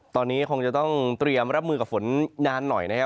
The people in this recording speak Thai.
ตอนนี้คงจะต้องเตรียมรับมือกับฝนนานหน่อยนะครับ